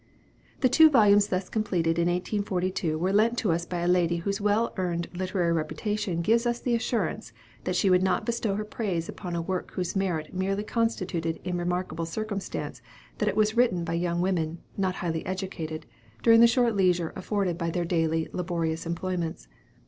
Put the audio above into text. '" The two volumes thus completed in 1842 were lent to us by a lady whose well earned literary reputation gave us the assurance that she would not bestow her praise upon a work whose merit merely consisted in the remarkable circumstance that it was written by young women, not highly educated, during the short leisure afforded by their daily laborious employments.